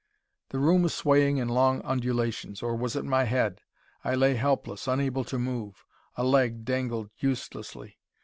The room was swaying in long undulations, or was it my head? I lay helpless, unable to move. A leg dangled uselessly.